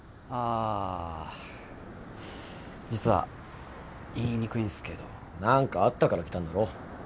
ああ実は言いにくいんすけど何かあったから来たんだろ？